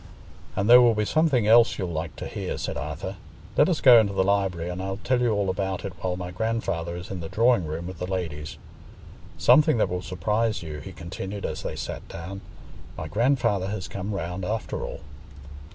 "And there will be something else you'll like to hear," said Arthur. "Let us go into the library and I'll tell you all about it while my grandfather is in the drawing room with the ladies. Something that will surprise you," he continued, as they sat down. "My grandfather has come round after all."